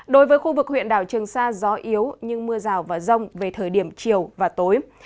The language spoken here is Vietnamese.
đối với khu vực huyện đảo trường sa gió yếu nhưng mưa rào và rông về thời điểm chiều và tối